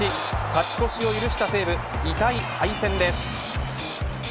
勝ち越しを許した西武痛い敗戦です。